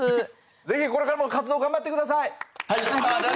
ぜひこれからも活動頑張って下さい。